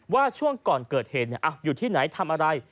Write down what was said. ว่าช่วงก่อนเกิดเหตุอยู่ที่ไหนทำอะไร